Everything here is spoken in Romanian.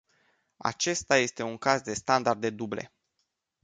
Acesta este un caz de standarde duble.